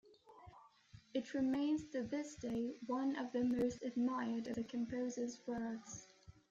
It remains to this day one of the most admired of the composer's works.